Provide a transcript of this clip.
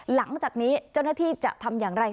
หลังจากนี้เจ้าหน้าที่จะทำอย่างไร